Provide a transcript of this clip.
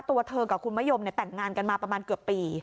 ตัวเธอกับคุณมะยมแต่งงานกันมาประมาณเกือบปี